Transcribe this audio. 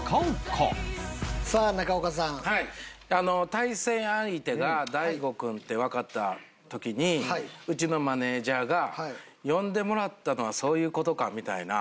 対戦相手が大悟君ってわかった時にうちのマネジャーが「呼んでもらったのはそういう事か」みたいな。